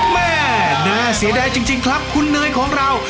แม่น่าเสียดายจริงครับคุณเนยของเรา